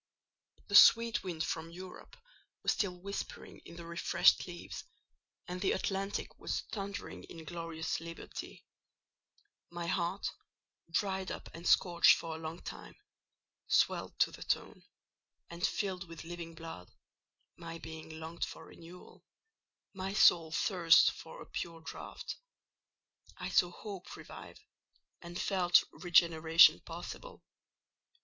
"The sweet wind from Europe was still whispering in the refreshed leaves, and the Atlantic was thundering in glorious liberty; my heart, dried up and scorched for a long time, swelled to the tone, and filled with living blood—my being longed for renewal—my soul thirsted for a pure draught. I saw hope revive—and felt regeneration possible.